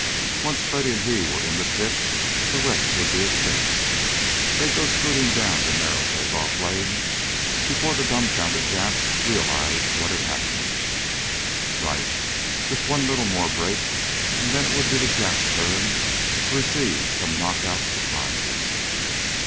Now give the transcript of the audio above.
Once Freddy and he were in the pit the rest would be a cinch. They'd go scooting down that narrow take off lane before the dumbfounded Japs realized what had happened. Right! Just one little more break, and then it would be the Japs' turn to receive some knockout surprises.